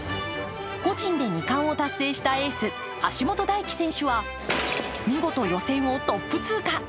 個人で２冠を達成したエース、橋本大輝選手は見事、予選をトップ通過。